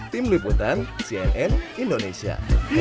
tim liputan cnn indonesia